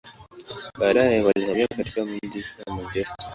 Baadaye, walihamia katika mji wa Manchester.